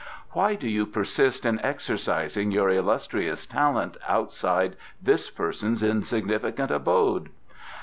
"Why do you persist in exercising your illustrious talent outside this person's insignificant abode?"